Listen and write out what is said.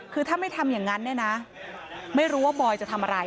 คือถ้าไม่ทำอย่างนั้นเนี่ยนะไม่รู้ว่าบอยจะทำอะไร